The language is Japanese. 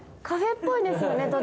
カフェっぽいですよね